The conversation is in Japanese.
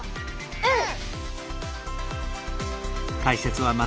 うん！